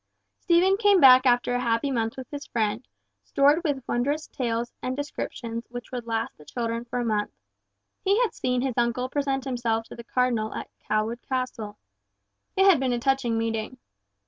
Stephen came back after a happy month with his friend, stored with wondrous tales and descriptions which would last the children for a month. He had seen his uncle present himself to the Cardinal at Cawood Castle. It had been a touching meeting.